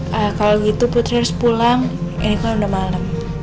kalau gitu putri harus pulang ini kan udah malem